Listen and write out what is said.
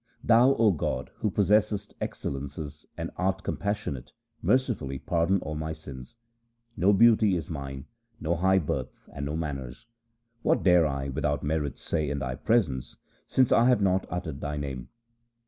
Thou, O God, who possessest excellences and art com passionate, mercifully pardon all my sins. No beauty is mine, no high birth, and no manners. What dare I without merits say in Thy presence since I have not uttered Thy name